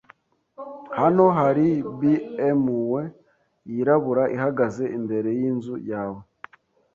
Hano hari BMW yirabura ihagaze imbere yinzu yawe.